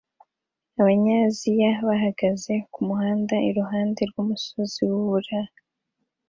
Abanyaziya bahagaze kumuhanda iruhande rwumusozi wubura